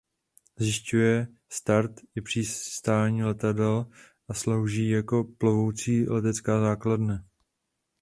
Zajišťuje start i přistání letadel a slouží jako plovoucí letecká základna.